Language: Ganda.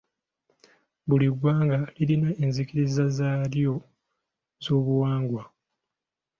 Buli ggwanga lirina enzikiriza zaalyo z'obuwangwa.